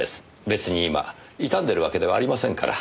別に今痛んでるわけではありませんから。